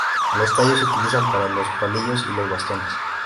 Los tallos se utilizan para los palillos y los bastones.